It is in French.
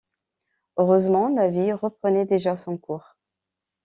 Heureusement, la vie reprenait déjà son cours.